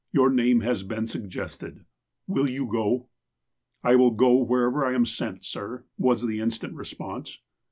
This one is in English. Your^name has been suggested. Will you go *?" ''I will go wherever I am sent, sir," was the instant response.